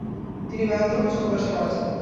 তিনি বাহাত্তর বছর বয়সে মারা যান।